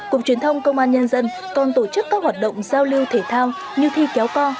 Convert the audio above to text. cục truyền thông công an nhân dân còn tổ chức các hoạt động giao lưu thể thao như thi kéo co